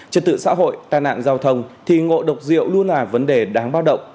trật tự xã hội tai nạn giao thông thì ngộ độc rượu luôn là vấn đề đáng báo động